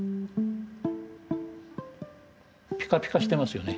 ピカピカしてますよね。